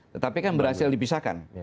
tetapi kan berhasil dipisahkan